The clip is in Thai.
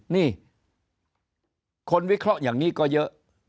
นี่คนวิเคราะห์อย่างนี้ก็เยอะ